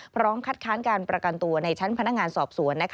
พร้อมคัดค้านการประกันตัวในชั้นพนักงานสอบสวน